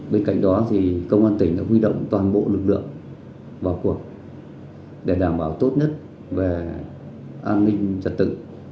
bên cạnh đó công an tỉnh đã huy động toàn bộ lực lượng vào cuộc để đảm bảo tốt nhất về an ninh trật tự